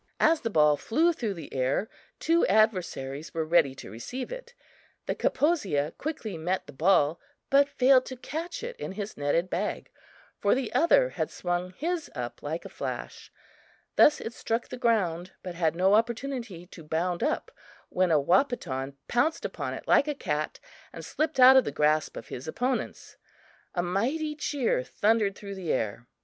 As the ball flew through the air, two adversaries were ready to receive it. The Kaposia quickly met the ball, but failed to catch it in his netted bag, for the other had swung his up like a flash. Thus it struck the ground, but had no opportunity to bound up when a Wahpeton pounced upon it like a cat and slipped out of the grasp of his opponents. A mighty cheer thundered through the air.